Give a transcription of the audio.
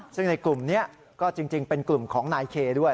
ซึ่งในกลุ่มนี้ก็จริงเป็นกลุ่มของนายเคด้วย